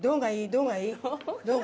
どうがいい？